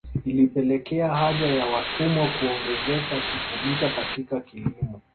Ilipelekea haja ya watumwa kuongezeka kutumika katika kilimo